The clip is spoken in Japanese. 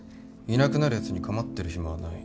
いなくなるやつに構ってる暇はない。